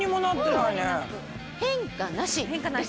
変化なし。